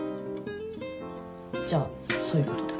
じゃそういうことで